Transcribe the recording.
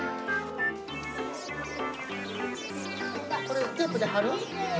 これテープではる？